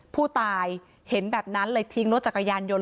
ผู้ตายเห็นแบบนั้นเลยทิ้งรถจักรยานยนต์